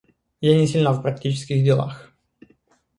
Я не сильна в практических делах.